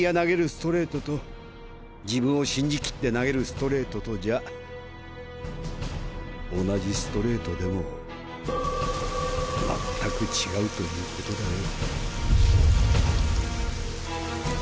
ストレートと自分を信じきって投げるストレートとじゃ同じストレートでも全く違うという事だよ。